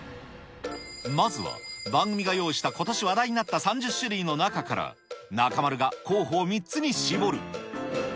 まずは番組が用意したことし話題になった３０種類の中から、中丸が候補を３つに絞る。